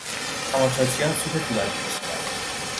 تماشاچیان سوت طولانی کشیدند.